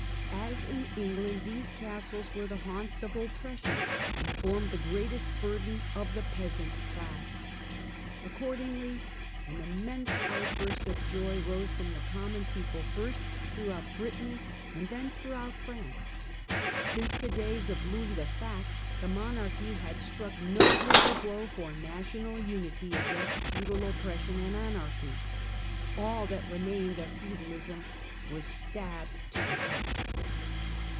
As in England, these castles were the haunts of oppression, and formed the greatest burden of the peasant class. 12 Prelude to the Fronde . 1629. Accordingly ' an immense outburst of joy rose from the common people, first throughout Britanny, and then throughout France. Since the days of Louis the Fat the monarchy had struck no greater bldw for national unity against feudal oppression and anarchy ; all that remained of feudalism was stabbed to the heart.